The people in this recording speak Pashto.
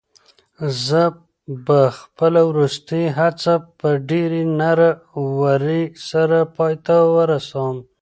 زه به خپله وروستۍ هڅه په ډېرې نره ورۍ سره پای ته ورسوم.